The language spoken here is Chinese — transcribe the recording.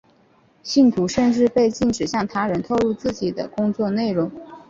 信徒甚至被禁止向他人透露自己的工作内容。